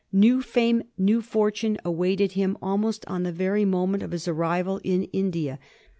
New fame, new fortune, awaited him almost on the very moment of his arrival in India.